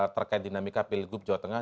terkait dinamika pilgub jawa tengah